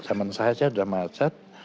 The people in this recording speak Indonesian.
zaman saya sudah macet